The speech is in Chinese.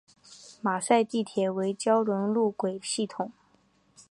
马赛地铁为胶轮路轨系统。